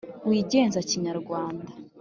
Wigenza Kinyarwanda